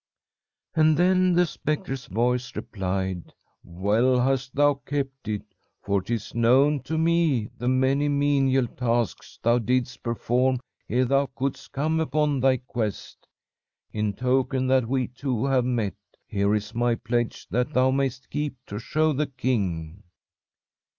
"And then the spectre's voice replied: 'Well hast thou kept it, for 'tis known to me the many menial tasks thou didst perform ere thou couldst come upon thy quest. In token that we two have met, here is my pledge that thou may'st keep to show the king.'